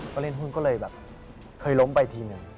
ประเร็จคุณก็เลยเคยล้มไปทีหนึ่ง